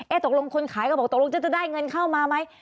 ตกลงคนขายก็บอกตกลงจะได้เงินเข้ามาไหม